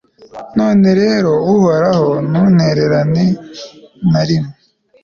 none rero, uhoraho, ntuntererane na rimwe